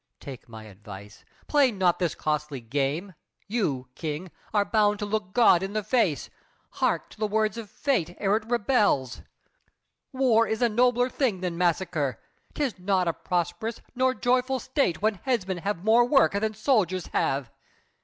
Take my advice: play not this costly game. You, King, are bound to look God in the face, Hark to the words of fate, ere it rebels! War is a nobler thing than massacre! 'Tis not a prosperous nor joyful State When headsmen have more work than soldiers have!